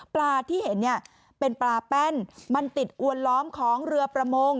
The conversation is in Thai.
ปลาที่เห็นเนี่ยเป็นปลาแป้นมันติดอวนล้อมของเรือประมง